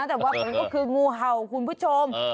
แต่ว่ามันก็คืองูเห่าคุณผู้ชม